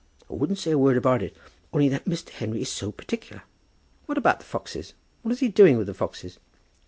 I wouldn't say a word about it, only that Mr. Henry is so particular." "What about the foxes? What is he doing with the foxes?"